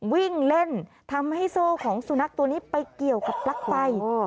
วิ่งเล่นทำให้โซ่ของสุนัขตัวนี้ไปเกี่ยวกับปลั๊กไฟ